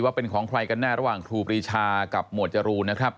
ว่าเป็นของใครกันแน่ระหว่างครูปรีชากับหมวดจรูนนะครับ